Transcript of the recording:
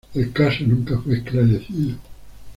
El caso nunca fue esclarecido.